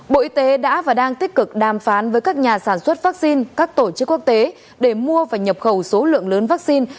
bộ y tế đã và đang tích cực đàm phán với các nhà sản xuất vaccine các tổ chức quốc tế để mua và nhập khẩu số lượng lớn vaccine